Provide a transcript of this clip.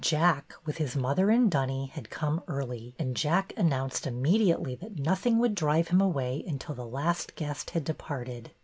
Jack with his mother and Dunny had come early, and Jack announced immediately that nothing would drive him away until the last guest had departed.